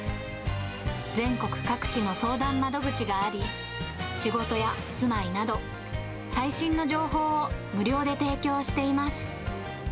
全国各地の相談窓口があり、仕事や住まいなど、最新の情報を無料で提供しています。